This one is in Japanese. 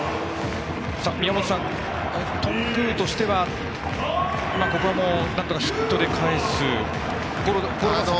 宮本さん、頓宮としてはここはなんとかヒットでかえす。